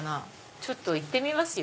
ちょっと行ってみますよ。